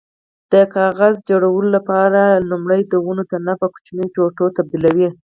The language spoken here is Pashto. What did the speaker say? د کاغذ جوړولو لپاره لومړی د ونو تنه په کوچنیو ټوټو تبدیلوي.